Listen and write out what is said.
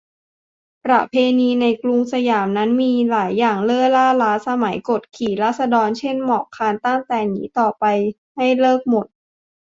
"ประเพณีในกรุงสยามนั้นมีหลายอย่างเล่อล่าล้าสมัย กดขี่ราษฎร เช่น หมอบคลาน ตั้งแต่นี้ต่อไปให้เลิกหมด"